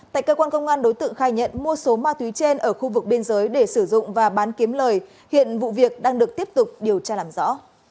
tại cơ quan công an đối tượng khai nhận mua số ma túy trên ở khu vực biên giới để sử dụng và bán kiếm lời hiện vụ việc đang được tiếp tục điều tra làm rõ